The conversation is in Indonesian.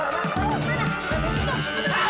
tidak tidak tidak